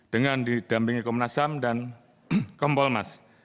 dengan didampingi komnas ham dan kompolnas